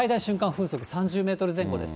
風速３０メートル前後です。